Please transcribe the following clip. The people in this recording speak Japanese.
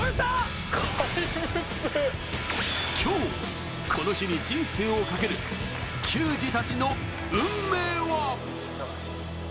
今日、この日に人生をかける球児たちの運命は。